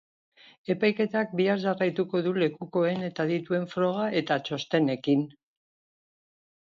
Epaiketak bihar jarraituko du lekukoen eta adituen froga eta txostenekin.